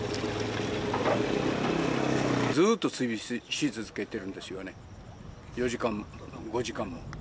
ずーっと追尾し続けてるんですよね、４時間、５時間も。